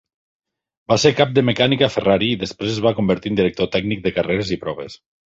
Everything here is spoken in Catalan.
Va ser cap de mecànica a Ferrari i després es va convertir en director tècnic de carreres i proves.